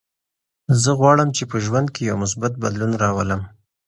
زه غواړم چې په ژوند کې یو مثبت بدلون راولم.